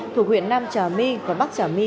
thuộc huyện nam trà my và bắc trà my